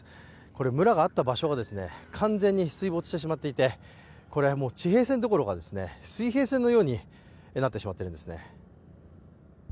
これ、村があった場所が完全に水没してしまっていて地平線どころか水平線のようになってしまっているんですね。